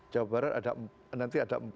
jawa barat ada nanti ada empat